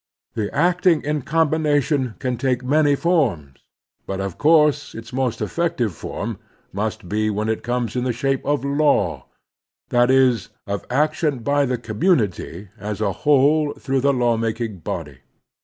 The acting in combination can take many forms, but of course its most effective form must be when it comes in the shape of law — ^that National Duties 169 is, of action by the commtinity as a whole through the law making body.